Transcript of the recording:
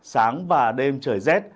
sáng và đêm trời rét